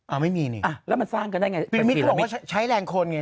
เอาไม่มีนี่อ่ะแล้วมันสร้างกันได้ไงเป็นมิตรเขาบอกว่าใช้แรงคนไง